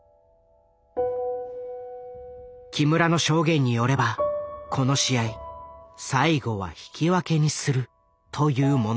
木村の証言によればこの試合最後は引き分けにするというものだった。